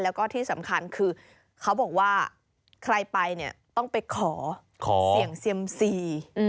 แล้วก็ที่สำคัญคือเขาบอกว่าใครไปเนี่ยต้องไปขอขอเสี่ยงเซียมซี